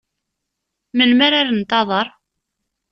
Melmi ara rrent aḍar?